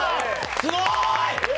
すごーい！